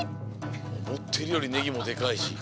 おもってるよりねぎもでかいし。